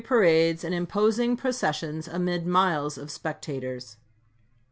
parades, and imposing processions amid miles of spectators.